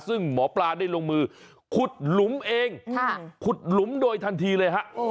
ซึ่งหมอปลาได้ลงมือขุดหลุมเองขุดหลุมโดยทันทีเลยฮะ